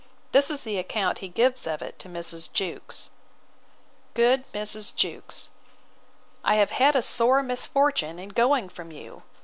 This is the account he gives of it to Mrs. Jewkes: 'GOOD MRS. JEWKES, 'I have had a sore misfortune in going from you.